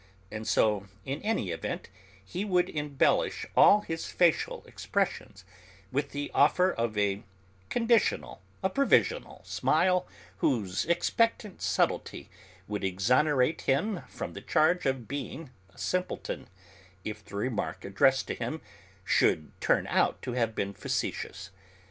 And so in any event he would embellish all his facial expressions with the offer of a conditional, a provisional smile whose expectant subtlety would exonerate him from the charge of being a simpleton, if the remark addressed to him should turn out to have been facetious.